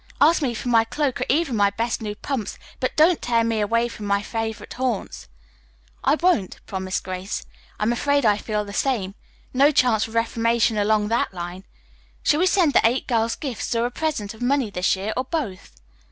Ask me for my cloak or even my best new pumps, but don't tear me away from my favorite haunts." "I won't," promised Grace. "I am afraid I feel the same. No chance for reformation along that line. Shall we send the eight girls gifts or a present of money this year, or both?"